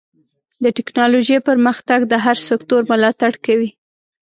د ټکنالوجۍ پرمختګ د هر سکتور ملاتړ کوي.